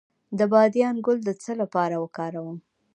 د بادیان ګل د څه لپاره وکاروم؟